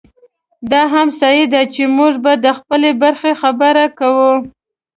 دا هم صحي ده چې موږ به د خپلې برخې خبره کوو.